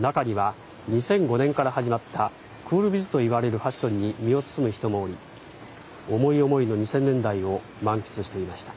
中には２００５年から始まったクールビズといわれるファッションに身を包む人もおり思い思いの２０００年代を満喫していました。